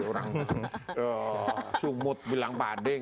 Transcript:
ada orang sumut bilang pak dek